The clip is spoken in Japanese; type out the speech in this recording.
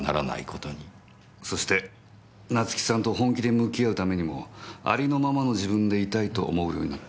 そして夏生さんと本気で向き合うためにもありのままの自分でいたいと思うようになった。